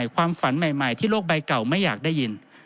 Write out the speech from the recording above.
ความฝันใหม่ที่โลกใบเก่าไม่อยากได้ยิน